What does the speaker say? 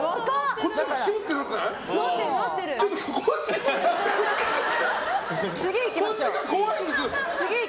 こっちがシュッとなってない？